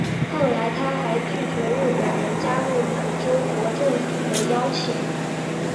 后来他还曾拒绝日本人加入满洲国政府的邀请。